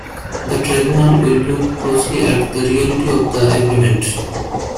The tribunal will look closely at the reality of the agreement.